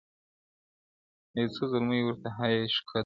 يو څو زلميو ورته هېښ کتله-